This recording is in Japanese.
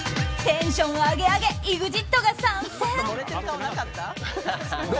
テンション上げ上げＥＸＩＴが参戦。